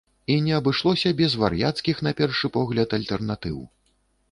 І не абышлося без вар'яцкіх, на першы погляд, альтэрнатыў.